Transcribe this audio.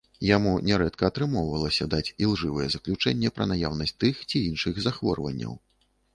Яму нярэдка атрымоўвалася даць ілжывае заключэнне пра наяўнасць тых ці іншых захворванняў.